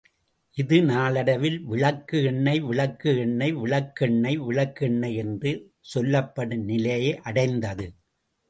இது நாளடைவில், விளக்கு எண்ணெய் விளக்கு எண்ணெய் விளக்கெண்ணெய் விளக்கெண்ணெய் என்று சொல்லப்படும் நிலையை அடைந்தது.